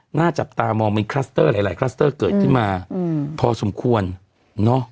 หน้าจับตามองมีคลัสเตอร์หลายคลัสเตอร์เกิดที่มาพอสมควรเนาะ